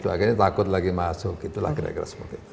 akhirnya takut lagi masuk itulah kira kira seperti itu